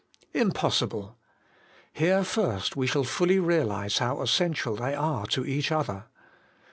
Im possible ! Here first we shall fully realize how essential they are to each other.